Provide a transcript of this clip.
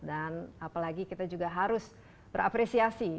dan apalagi kita juga harus berapresiasi